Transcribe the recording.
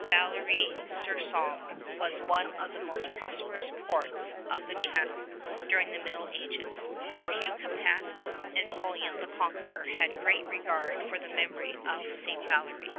Valery sur Somme was one of the most prosperous ports of the Channel during the middle ages. Both Hugh Capet and William the Conqueror had a great regard for the memory of St. Valery.